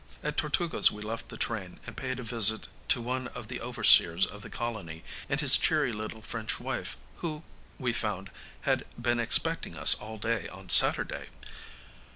At Tortugas we left the train, and paid a visit to one of the overseers of the colony and his cheery little French wife, who, we found, had been expecting us all day on Saturday.